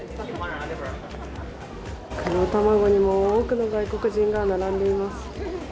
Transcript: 黒たまごにも多くの外国人が並んでいます。